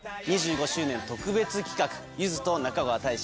２５周年特別企画。